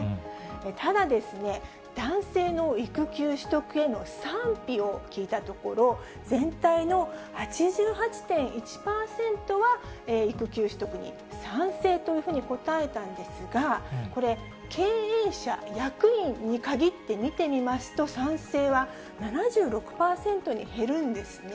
ただ、男性の育休取得への賛否を聞いたところ、全体の８８．１％は育休取得に賛成というふうに答えたんですが、これ、経営者・役員に限って見てみますと、賛成は７６％に減るんですね。